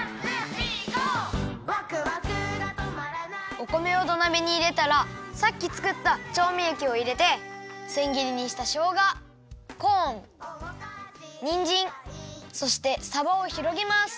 お米を土鍋にいれたらさっきつくったちょうみえきをいれてせん切りにしたしょうがコーンにんじんそしてさばをひろげます。